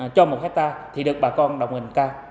cho một hectare thì được bà con đồng hình cao